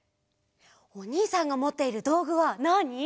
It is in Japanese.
おにいさんがもっているどうぐはなに？